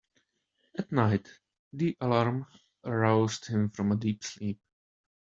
At night the alarm roused him from a deep sleep.